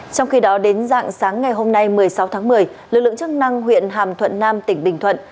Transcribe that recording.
trong khi đó đến dạng sáng ngày hôm nay một mươi sáu tháng một mươi lực lượng chức năng huyện hàm thuận nam tỉnh bình thuận